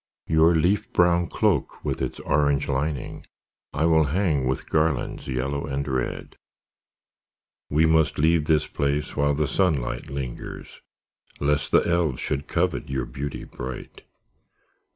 Your leaf brown cloak with its orange lining I will hang with garlands yellow and red. We must leave this place while the sunlight lingers Lest the elves should covet your beauty bright.